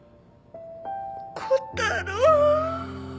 小太郎！